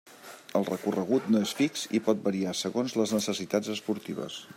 El recorregut no és fix i pot variar segons les necessitats esportives.